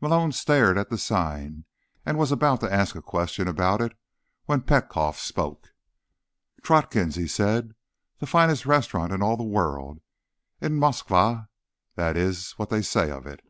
Malone stared at the sign, and was about to ask a question about it when Petkoff spoke. "Trotkin's," he said. "The finest restaurant in all the world—in Moskva, this is what they say of it."